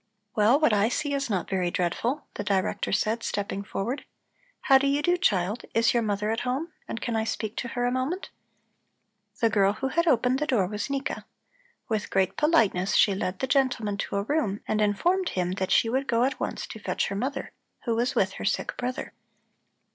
"Well, what I see is not very dreadful," the Director said, stepping forward. "How do you do, child. Is your mother at home, and can I speak to her a moment?" The girl who had opened the door was Nika. With great politeness she led the gentleman to a room and informed him that she would go at once to fetch her mother, who was with her sick brother.